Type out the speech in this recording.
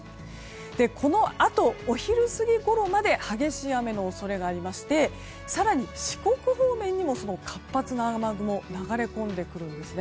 このあと、お昼過ぎごろまで激しい雨の恐れがありまして更に四国方面にも活発な雨雲が流れ込んできます。